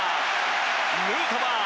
ヌートバー